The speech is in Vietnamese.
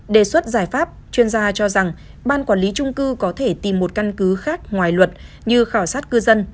đề xuất giải pháp chuyên gia cho rằng ban quản lý trung cư có thể tìm một căn cứ khác ngoài luật như khảo sát cư dân